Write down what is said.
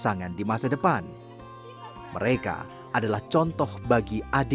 selain anak anak wintaus aksa juga bisa memperoleh makanan yang bisa dikelola sendiri